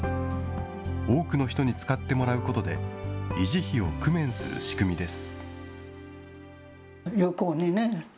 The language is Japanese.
多くの人に使ってもらうことで維持費を工面する仕組みです。